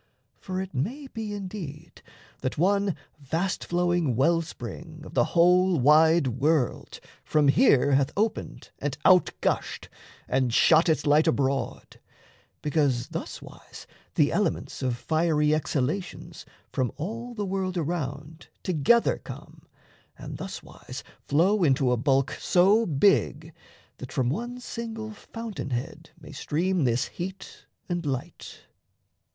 For it may be, indeed, That one vast flowing well spring of the whole Wide world from here hath opened and out gushed, And shot its light abroad; because thuswise The elements of fiery exhalations From all the world around together come, And thuswise flow into a bulk so big That from one single fountain head may stream This heat and light.